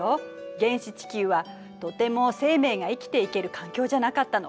原始地球はとても生命が生きていける環境じゃなかったの。